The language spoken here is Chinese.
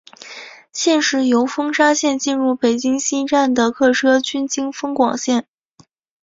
现时由丰沙线进入北京西站的客车均经丰广线。